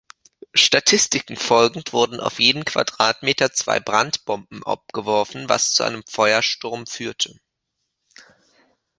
Statistiken folgend wurden auf jeden Quadratmeter zwei Brandbomben abgeworfen, was zu einem Feuersturm führte.